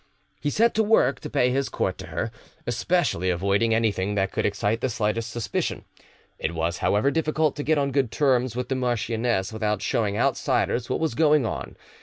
He set to work to pay his court to her, especially avoiding anything that could excite the slightest suspicion. It was, however, difficult to get on good terms with the marchioness without showing outsiders what was going on.